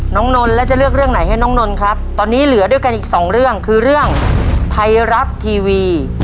นนท์แล้วจะเลือกเรื่องไหนให้น้องนนท์ครับตอนนี้เหลือด้วยกันอีกสองเรื่องคือเรื่องไทยรัฐทีวี